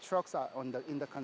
truk yang diberikan